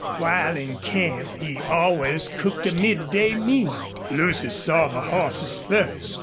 While in camp he always cooked a midday meal. Lucy saw the horses first.